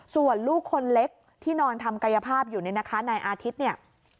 ส่วนลูกคนเล็กที่นอนทำกายภาพอยู่เนี่ยนะคะนายอาทิตย์เนี่ย